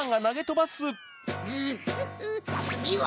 グフフつぎは！